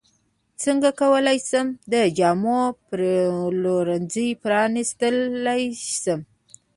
څنګه کولی شم د جامو پلورنځی پرانستلی شم